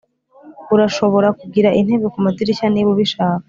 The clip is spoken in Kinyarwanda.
urashobora kugira intebe kumadirishya niba ubishaka.